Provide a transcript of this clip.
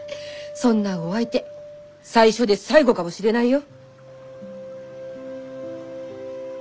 そんなお相手最初で最後かもしれないよ。